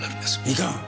いかん！